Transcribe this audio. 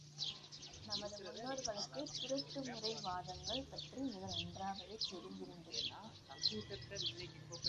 நமது முன்னோர்களுக்கு புரட்டுமுறை வாதங்கள் பற்றி மிக நன்றாகவே தெரிந்திருந்தது.